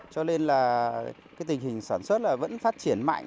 cho nên là tình hình sản xuất vẫn phát triển mạnh